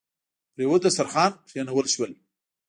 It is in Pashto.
پر یوه دسترخوان کېنول شول.